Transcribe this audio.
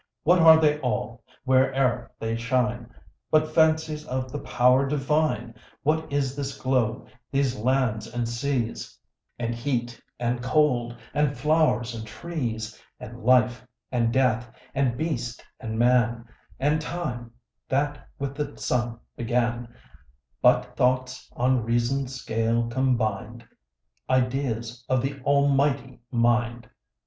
What are they all, where'er they shine, But Fancies of the Power Divine! What is this globe, these lands, and seas, And heat, and cold, and flowers, and trees, And life, and death, and beast, and man, And time that with the sun began But thoughts on reason's scale combin'd, Ideas of the Almighty mind!